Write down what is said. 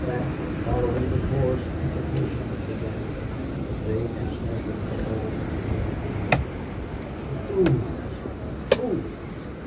That, following the coarse implication of the gambler, conveyed to Stanton what all these men imagined. The fools! The fools!